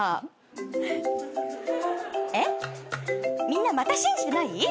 みんなまた信じてない？